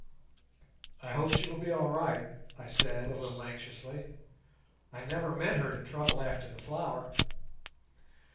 "I hope she will be all right," I said, a little anxiously; "I never meant her to trouble after the flower."